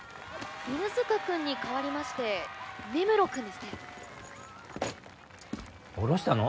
犬塚くんにかわりまして根室くんですね降ろしたの？